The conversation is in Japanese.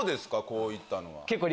こういったのは。